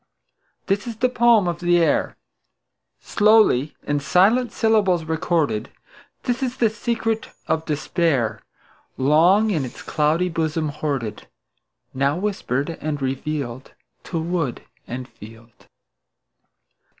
This is the poem of the air, Slowly in silent syllables recorded; This is the secret of despair, Long in its cloudy bosom hoarded, Now whispered and revealed To wood and field.